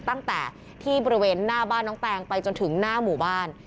ตั้งแต่ที่บริเวณหน้าบ้านน้องแตงไปจนถึงหน้าหมู่บ้าน